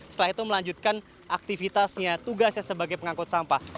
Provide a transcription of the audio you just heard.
setelah itu melanjutkan aktivitasnya tugasnya sebagai pengangkut sampah